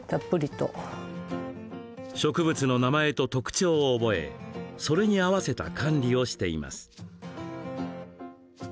植物の名前と特徴を覚えそれに合わせた管理をしています。